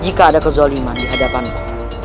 jika ada kezoliman dihadapanku